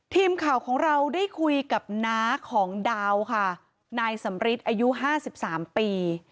ทีมข่าวของเราได้คุยกับน้าของดาวค่ะนายสำริทอายุ๕๓ปี